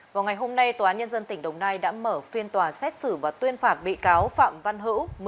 vào ngày hôm nay tòa án nhân dân tỉnh đồng nai đã mở phiên tòa xét xử và tuyên phạt bị cáo phạm văn hữu